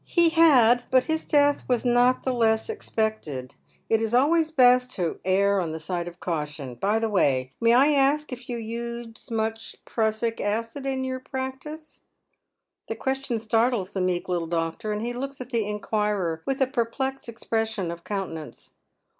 " He had ; but his death was not the less unexpected. It is always best to err on the side of caution. By the way, may I ask if you use much prassic acid in your practice ?" The question startles the meek little doctor, and he looks at the inquirer with a perplexed expression of countenance.